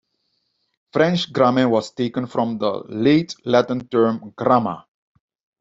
French "gramme" was taken from the Late Latin term "gramma".